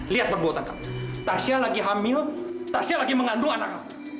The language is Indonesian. lihat perbuatan kamu tasya lagi hamil tasya lagi mengandung anak anak